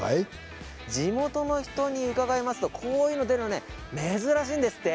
地元の人に伺いますとこういうのが出るのは珍しいんですって。